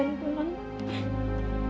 mudah mudahan bisa ya nont